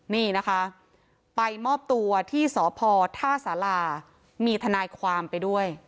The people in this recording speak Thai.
นี่นะคะไปมอบตัวที่สพท่าสารามีทนายความไปด้วย